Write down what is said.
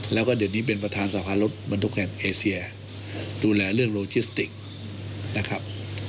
แล้วก็เดี๋ยวนี้เป็นประธานสภารถบรรทุกแห่งเอเซียดูแลเรื่องโลจิสติกนะครับ